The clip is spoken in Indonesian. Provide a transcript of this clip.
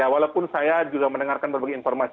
walaupun saya juga mendengarkan berbagai informasi